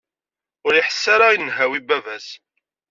Ur iḥess ara i nnhawi n baba-s.